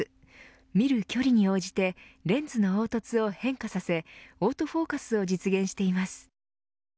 見る距離に応じてレンズの凹凸を変化させオートフォーカスを実現しています。